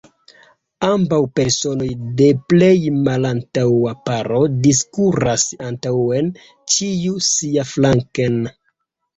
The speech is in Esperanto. Ambaŭ personoj de plej malantaŭa paro diskuras antaŭen, ĉiu siaflanken.